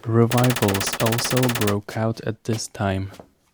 Revivals also broke out at this time.